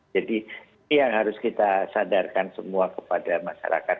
jadi ini yang harus kita sadarkan semua kepada masyarakat